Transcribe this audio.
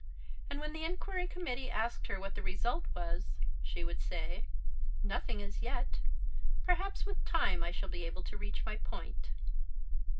And when the Inquiry Committee asked her what the result was, she would say: "Nothing as yet; perhaps with time I shall be able to reach my point."